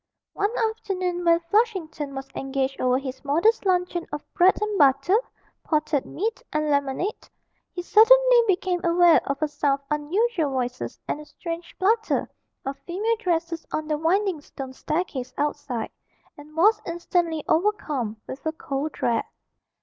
One afternoon when Flushington was engaged over his modest luncheon of bread and butter, potted meat, and lemonade, he suddenly became aware of a sound of unusual voices and a strange flutter of female dresses on the winding stone staircase outside and was instantly overcome with a cold dread.